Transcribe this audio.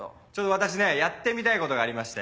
私ねやってみたいことがありまして。